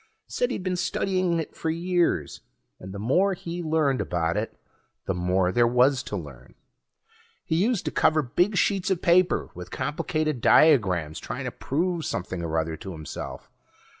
Said he'd been studying it for years, and the more he learned about it the more there was to learn. He used to cover big sheets of paper with complicated diagrams trying to prove something or other to himself.